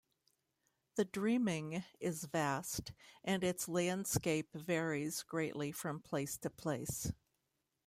The Dreaming is vast, and its landscape varies greatly from place to place.